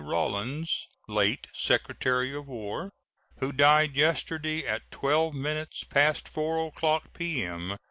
Rawlins, late Secretary of War, who died yesterday at twelve minutes past 4 o'clock p.m.